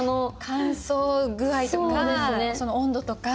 乾燥具合とかその温度とか。